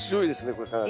これかなり。